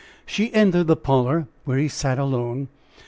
She entered the parlor where he sat alone.